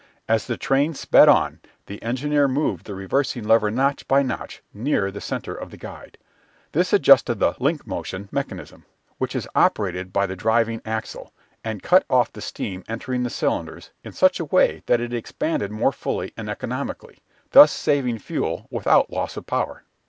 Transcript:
As the train sped on, the engineer moved the reversing lever notch by notch nearer the centre of the guide. This adjusted the "link motion" mechanism, which is operated by the driving axle, and cut off the steam entering the cylinders in such a way that it expanded more fully and economically, thus saving fuel without loss of power.